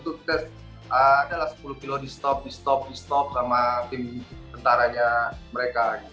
setiap jalan itu kita adalah sepuluh km di stop di stop di stop sama tim tentaranya mereka